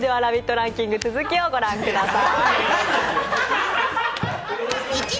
ランキング続きを御覧ください。